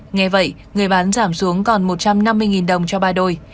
nghe vậy người bán giảm xuống còn một trăm năm mươi đồng cho ba đôi